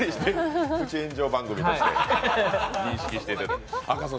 プチ炎上番組として認識していただいて。